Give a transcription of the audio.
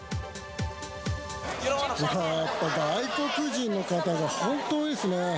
やっぱ外国人の方が本当に多いですね。